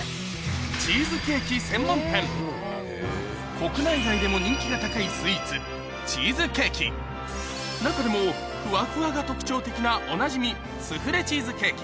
国内外でも人気が高いスイーツチーズケーキ中でもフワフワが特徴的なおなじみスフレチーズケーキ